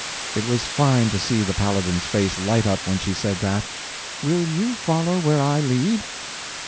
It was fine to see the Paladin's face light up when she said that. "Will you follow where I lead?"